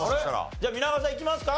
じゃあ皆川さんいきますか？